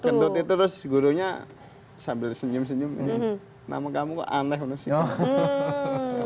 kendut itu terus gurunya sambil senyum senyum nama kamu kok aneh menurut saya